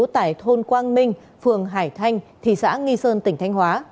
tại thôn quang minh phường hải thanh thị xã nghi sơn tỉnh thanh hóa